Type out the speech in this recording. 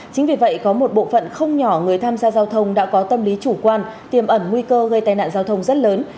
chính vì vậy có một bộ phận không nhỏ người tham gia giao thông đã có tâm lý chủ quan tiềm ẩn nguy cơ gây tai nạn giao thông rất lớn